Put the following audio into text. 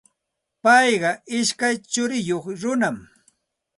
Payqa ishkay churiyuq runam.